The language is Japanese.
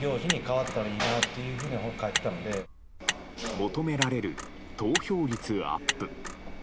求められる投票率アップ。